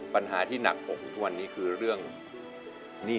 ปัญหาที่หนักอกทุกวันนี้คือเรื่องหนี้